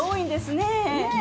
ねえ。